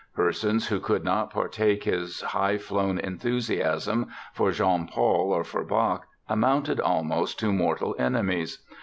Persons who could not partake his high flown enthusiasm for Jean Paul or for Bach amounted almost to mortal enemies!